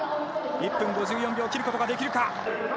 １分５４秒、切ることができるか。